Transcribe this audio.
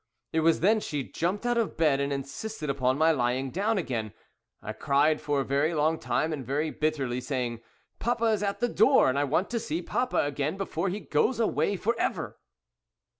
"It was then she jumped out of bed and insisted upon my lying down again. I cried for a long time and very bitterly, saying, 'Papa is at the door, and I want to see papa again before he goes away for ever.'"